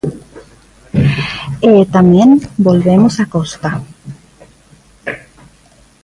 E tamén volvemos á costa.